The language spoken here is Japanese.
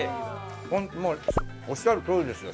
ホントもうおっしゃるとおりですよ。